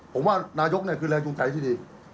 ผมว่านายกคือแรงจูงใจที่ดี